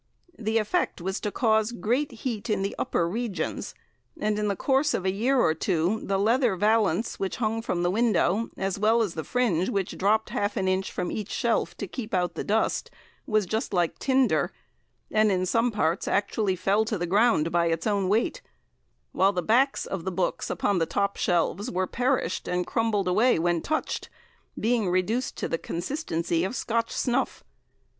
The effect was to cause great heat in the upper regions, and in the course of a year or two the leather valance which hung from the window, as well as the fringe which dropped half an inch from each shelf to keep out the dust, was just like tinder, and in some parts actually fell to the ground by its own weight; while the backs of the books upon the top shelves were perished, and crumbled away when touched, being reduced to the consistency of Scotch snuff.